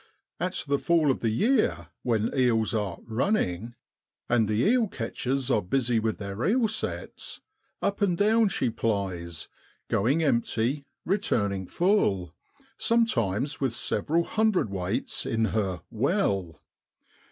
At the fall of the year, when eels are ' running,' and the eel catchers are busy with their eel sets, up and down she plies, going empty, returning full, sometimes with several hundredweights in her i well.'